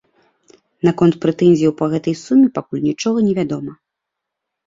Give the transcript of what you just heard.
Наконт прэтэнзіяў па гэтай суме пакуль нічога не вядома.